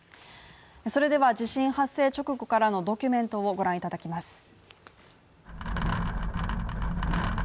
それでは地震発生直後からのドキュメントをご覧いただきます。